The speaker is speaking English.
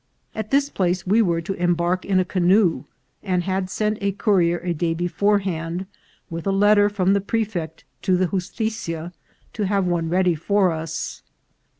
At this place we were to embark in a canoe, and had sent a courier a day beforehand, with a letter from the prefect to the justitia, to have one ready for us.